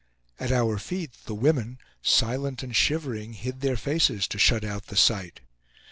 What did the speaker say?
At our feet the women, silent and shivering, hid their faces to shut out the sight.